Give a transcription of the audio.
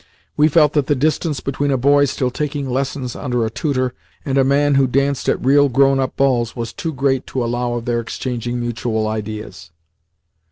We felt that the distance between a boy still taking lessons under a tutor and a man who danced at real, grown up balls was too great to allow of their exchanging mutual ideas.